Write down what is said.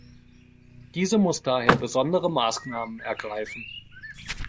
Diese muss daher besondere Maßnahmen ergreifen.